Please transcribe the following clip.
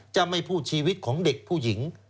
จะไม่พูดชีวิตของเด็กผู้หญิง